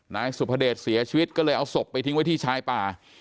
นายสุภเดชเสียชีวิตก็เลยเอาศพไปทิ้งไว้ที่ชายป่า